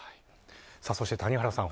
そして、谷原さん